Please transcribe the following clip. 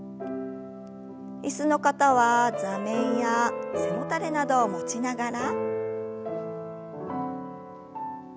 椅子の方は座面や背もたれなどを持ちながら。